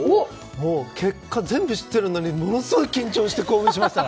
もう結果、全部知っているのにものすごい緊張して興奮しました。